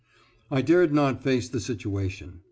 I dared not face the situation.